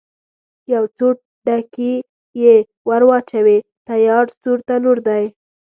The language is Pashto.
یو څو ډکي چې ور واچوې، تیار سور تنور دی.